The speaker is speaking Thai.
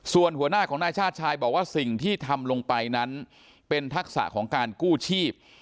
ส่วนหัวหน้าของนายชาติชายบอกว่าสิ่งที่ทำลงไปนั้นเป็นทักษะของการกู้ชีพ